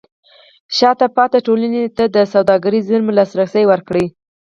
شاته پاتې ټولنې ته د سوداګرۍ زېرمو لاسرسی ورکړئ.